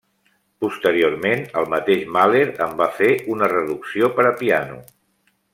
Posteriorment el mateix Mahler en va fer una reducció per a piano.